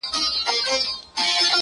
دلته به څه وي تلاوت، دلته به څه وي سجده_